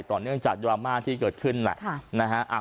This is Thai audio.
ต่อเนื่องจากดราม่าที่เกิดขึ้นแหละนะฮะ